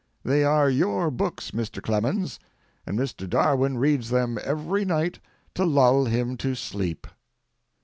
They are your books, Mr. Clemens, and Mr. Darwin reads them every night to lull him to sleep."